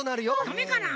ダメかな。